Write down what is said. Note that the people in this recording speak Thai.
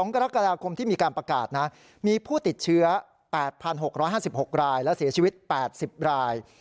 กรกฎาคมที่มีการประกาศนะมีผู้ติดเชื้อ๘๖๕๖รายและเสียชีวิต๘๐ราย